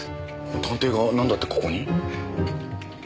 探偵がなんだってここに？